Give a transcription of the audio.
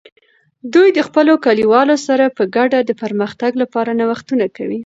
دوی د خپلو کلیوالو سره په ګډه د پرمختګ لپاره نوښتونه کوي.